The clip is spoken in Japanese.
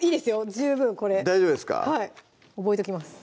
十分これ大丈夫ですか覚えときます